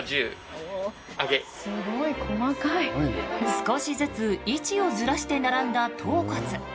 少しずつ位置をずらして並んだ頭骨。